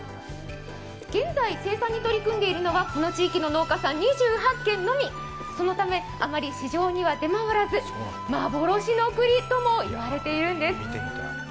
現在、生産に取り組んでいるのがこの地域の農家さん２８軒のみそのためあまり市場には出回らず幻のくりとも言われているんです。